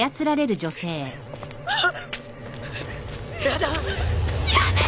あっ。